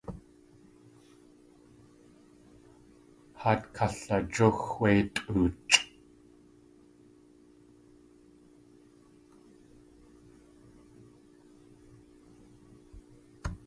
Haat kalajúx wé tʼoochʼ!